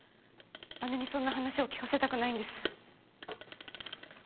姉にそんな話を聞かせたくないんです。